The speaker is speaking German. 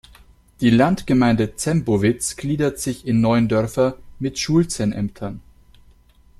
Die Landgemeinde Zembowitz gliedert sich in neun Dörfer mit Schulzenämtern.